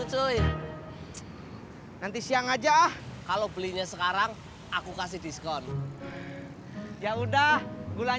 cerita ini aku selalu berkata kata bahkan contoh kichtv victim